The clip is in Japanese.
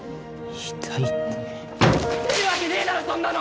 遺体って出るわけねえだろそんなの！